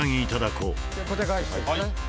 小手返しですね。